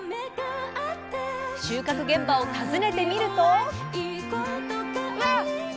収穫現場を訪ねてみると。